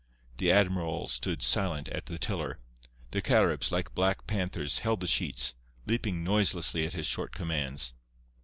The admiral stood, silent, at the tiller; the Caribs, like black panthers, held the sheets, leaping noiselessly at his short commands.